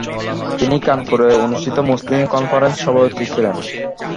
তিনি কানপুরে অনুষ্ঠিত মুসলিম কনফারেন্সে সভাপতি ছিলেন।